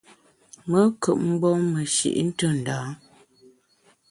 Me nkùp mgbom meshi’ ntù ndâ a.